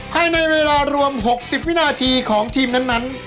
ภายในเวลารวม๖๐วินาทีของทีมนั้น